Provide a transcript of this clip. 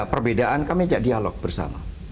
perbedaan kami ajak dialog bersama